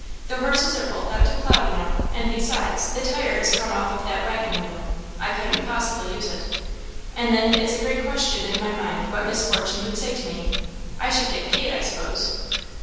The horses are both out to plough, you know; and besides, the tire is come off that waggon wheel. I couldn't possibly use it. And then it's a great question in my mind what Miss Fortune would say to me. I should get paid, I s'pose?"